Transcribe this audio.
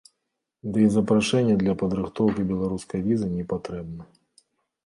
Ды і запрашэнне для падрыхтоўкі беларускай візы не патрэбна.